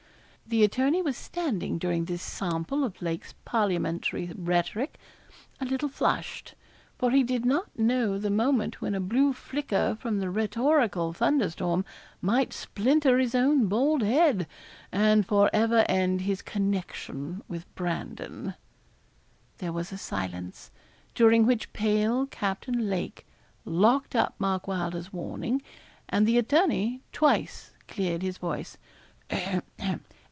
The attorney was standing during this sample of Lake's parliamentary rhetoric a little flushed, for he did not know the moment when a blue flicker from the rhetorical thunder storm might splinter his own bald head, and for ever end his connection with Brandon. There was a silence, during which pale Captain Lake locked up Mark Wylder's warning, and the attorney twice cleared his voice.